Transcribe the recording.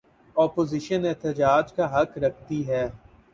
Opposition احتجاج کا حق رکھتی ہے۔